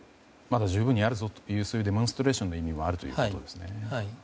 まだ十分にあるぞというデモンストレーションの意味もあるということですね。